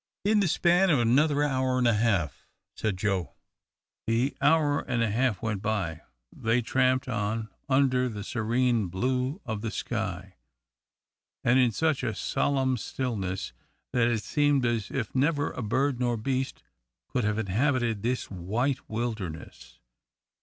"In the span of another hour and a half," said Joe. The hour and a half went by. They tramped on under the serene blue of the sky, and in such a solemn stillness that it seemed as if never a bird nor beast could have inhabited this white wilderness.